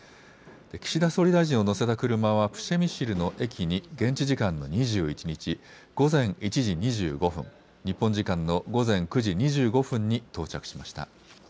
岸田総理大臣を乗せた車はプシェミシルの駅に現地時間の２１日午前１時２５分、日本時間の午前９時２５分に到着しました。